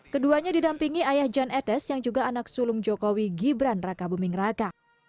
keduanya didampingi ayah jan etes yang juga anak sulung jokowi gibran raka buming raka